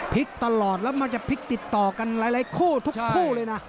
พิกตลอดแล้วมาจะพิกติดต่อกันหลายคู่ทุกเลยน่ะ